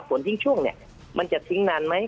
ฝนทิ้งช่วงเนี่ยมันจะทิ้งนานไหม